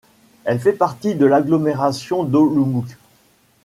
Elle fait partie de l'agglomération d'Olomouc.